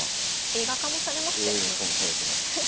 映画化もされてます。